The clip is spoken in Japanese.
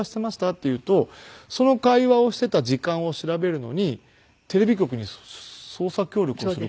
って言うとその会話をしていた時間を調べるのにテレビ局に捜査協力をする事あるんですよ。